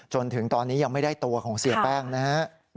จนถึงตอนนี้ยังไม่ได้ตัวของเสียแป้งนะครับ